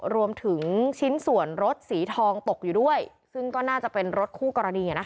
รวมถึงชิ้นส่วนรถสีทองตกอยู่ด้วยซึ่งก็น่าจะเป็นรถคู่กรณี